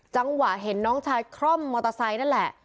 จังหวะเห็นน้องชายคร่อมมอเตอร์ไซค์นั่นแหละ